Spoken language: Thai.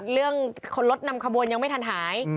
เรื่องรถนำขบวนยังไม่ทันหาย